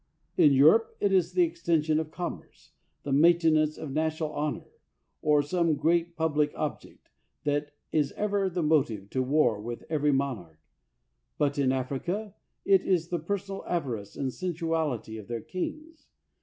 In Europe it is the extension of commerce, the maintenance of national honor, or some great public object, that is ever the motive to war with every monarch; but, in Africa, it is the personal avarice and sensuality of their kings.